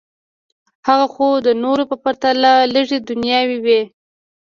خو هغه د نورو په پرتله لږې دنیاوي وې